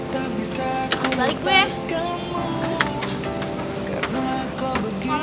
tak bisa ku lupakanmu